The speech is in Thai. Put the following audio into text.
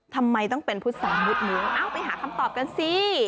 ทำไมต้องเป็นพุษามุทมุ้งไปหาคำตอบกันสิ